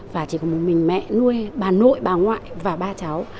và chỉ có một mình mẹ nuôi bà nội bà ngoại và ba cháu